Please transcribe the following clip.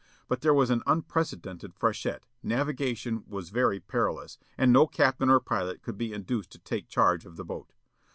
But there was an unprecedented freshet, navigation was very perilous, and no captain or pilot could be induced to take charge of the boat.